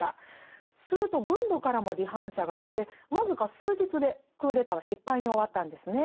すると軍部からも離反者が出て僅か数日でクーデターは失敗に終わったんですね。